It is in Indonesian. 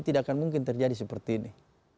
tidak akan mungkin terjadi seperti ini